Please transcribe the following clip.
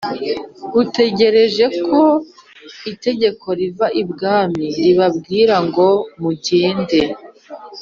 butegereje ko itegeko riva ibwami ribabwira ngo bagende.